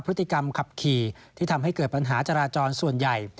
พฤติกรรมขับขี่ที่ทำให้เกิดปัญหาจราจรส่วนใหญ่